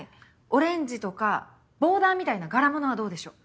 オレンジとかボーダーみたいな柄物はどうでしょう？